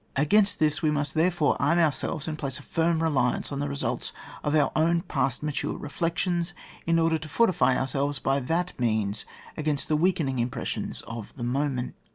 Against this, we must, therefore, arm ourselves, and place a firm reliance on the results of our own past mature re flections, in order to fortify ourselves by that means against the weakening im pressions of the moment.